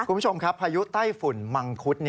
คุณผู้ชมครับพายุไต้ฝุ่นมังคุด